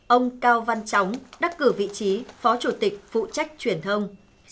ông cao văn chóng đắc cử vị trí phó chủ tịch phụ trách truyền thông